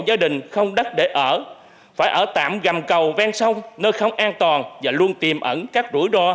gia đình không đất để ở phải ở tạm gầm cầu ven sông nơi không an toàn và luôn tìm ẩn các rủi đo